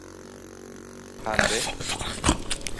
Ha nde?